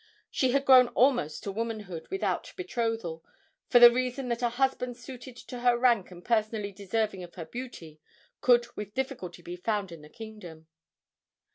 She had grown almost to womanhood without betrothal, for the reason that a husband suited to her rank and personally deserving of her beauty could with difficulty be found in the kingdom.